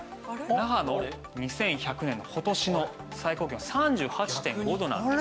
那覇の２１００年の今年の最高気温は３８．５度なんです。